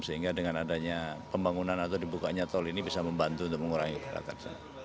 sehingga dengan adanya pembangunan atau dibukanya tol ini bisa membantu untuk mengurangi kepadatan